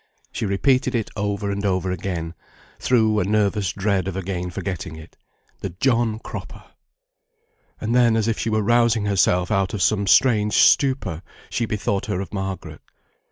She repeated it over and over again, through a nervous dread of again forgetting it. The John Cropper. And then, as if she were rousing herself out of some strange stupor, she bethought her of Margaret.